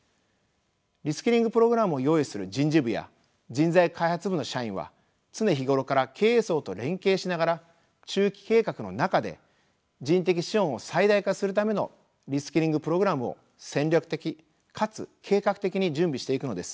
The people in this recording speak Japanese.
リスキリングプログラムを用意する人事部や人材開発部の社員は常日頃から経営層と連携しながら中期計画の中で人的資本を最大化するためのリスキリングプログラムを戦略的かつ計画的に準備していくのです。